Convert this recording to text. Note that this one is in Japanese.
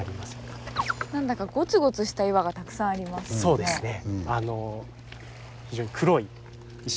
そうですね。